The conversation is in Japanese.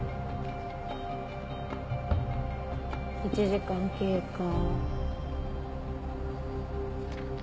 １時間経過。